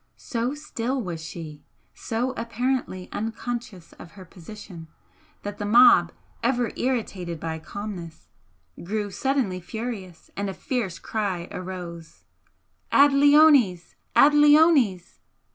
So still was she, so apparently unconscious of her position, that the mob, ever irritated by calmness, grew suddenly furious, and a fierce cry arose: "Ad leones! Ad leones!"